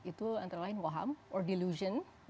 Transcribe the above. itu antara lain waham or delution